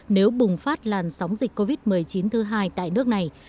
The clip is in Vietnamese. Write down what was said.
nếu bùng phát làn sóng dịch covid một mươi chín thứ hai tại nước này